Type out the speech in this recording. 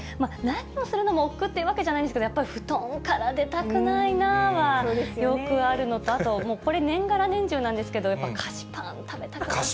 何をするのもおっくうってわけじゃないですけれども、布団から出たくないなぁはよくあるのと、あともうこれ、年がら年中なんですけど、やっぱ菓子パン食べたくなる。